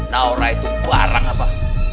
nora itu barang apa